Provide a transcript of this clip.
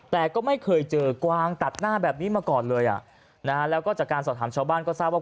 แต่ก็ไม่เคยเจอกวางตัดหน้าแบบนี้มาก่อนเลยอ่ะนะฮะแล้วก็จากการสอบถามชาวบ้านก็ทราบว่า